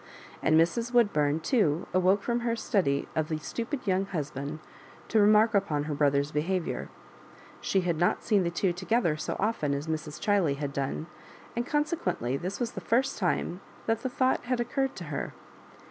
And Mrs. Woodbum too awoke from her study of the stupid young husband to remark upon her brother's behavrour : she had not seen the two together so often as Mns. Chiley had done, and consequently this was the first* time that the thought had occurred to her.